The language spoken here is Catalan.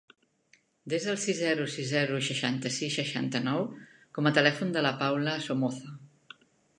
Desa el sis, zero, sis, zero, seixanta-sis, seixanta-nou com a telèfon de la Paula Somoza.